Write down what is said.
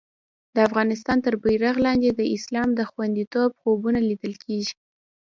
د افغانستان تر بېرغ لاندې د اسلام د خوندیتوب خوبونه لیدل کېږي.